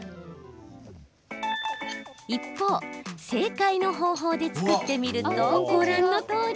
一方正解の方法で作ってみるとご覧のとおり。